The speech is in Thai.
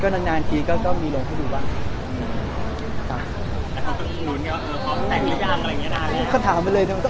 งั้นนานนี่นี่ก็ลงให้ดูบ้าง